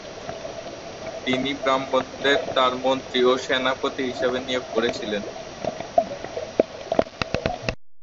তিনি ব্রাহ্মণদের তাঁর মন্ত্রী ও সেনাপতি হিসাবে নিয়োগ করেছিলেন।